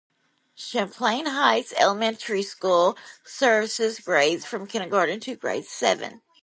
Champlain Heights Elementary School services grades from kindergarten to grade seven.